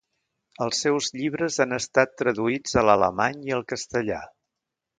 Els seus llibres han estat traduïts a l'alemany i al castellà.